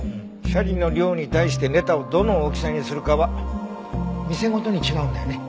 シャリの量に対してネタをどの大きさにするかは店ごとに違うんだよね？